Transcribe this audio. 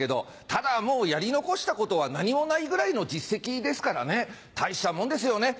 ただもうやり残したことは何もないぐらいの実績ですからね大したもんですよね。